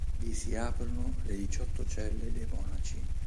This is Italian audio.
Vi si aprono le diciotto celle dei monaci.